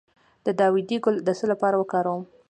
د داودي ګل د څه لپاره وکاروم؟